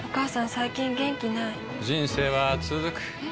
最近元気ない人生はつづくえ？